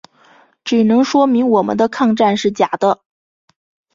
只能说明我们的抗战是假的。